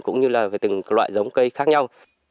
cũng như là từng loại giống cây khác nhau